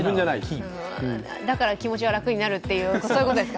だから、気持ちが楽になるってことですか。